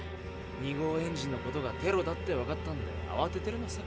２号エンジンのことがテロだってわかったんであわててるのさ。